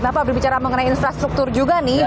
nah pak berbicara mengenai infrastruktur juga nih